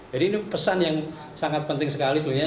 jadi ini pesan yang sangat penting sekali sebenarnya